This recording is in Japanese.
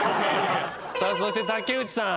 そして竹内さん。